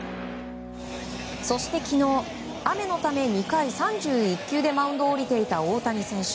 そして昨日雨のため２回３１球でマウンドを降りていた大谷選手。